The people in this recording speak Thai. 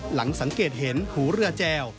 หลังสังเกตเห็นหูเรือแจว